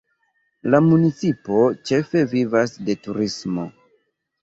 La municipo ĉefe vivas de turismo.